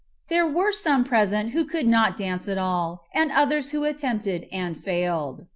There were some present who could not dance at all, and others who attempted and failed.